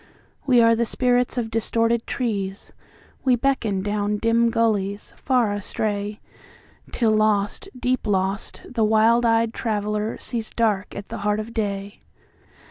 We are the spirits of distorted trees; We beckon down dim gullies, far astray, Till lost, deep lost, the wild eyed traveller seesDark at the heart of day.